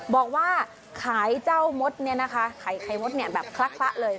บอกว่าขายเจ้ามดนี่นะคะไข่ไข่มดแบบคละเลย